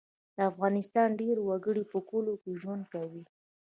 د افغانستان ډیری وګړي په کلیو کې ژوند کوي